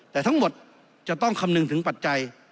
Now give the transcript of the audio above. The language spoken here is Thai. แต่ทั้งหมดจะต้องคำนึงถึงปัจจัย